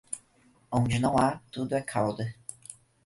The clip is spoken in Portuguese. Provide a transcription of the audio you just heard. Onde não há, tudo é cauda.